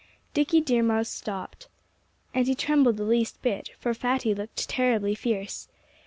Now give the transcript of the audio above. Dickie Deer Mouse stopped. And he trembled the least bit; for Fatty looked terribly fierce.